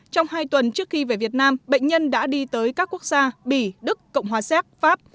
trong hai tuần trước khi về việt nam bệnh nhân đã đi tới các quốc gia bỉ đức cộng hòa xéc pháp